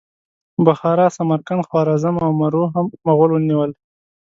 بخارا، سمرقند، خوارزم او مرو هم مغولو ونیول.